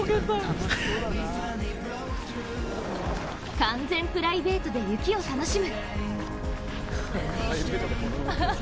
完全プライベートで雪を楽しむ。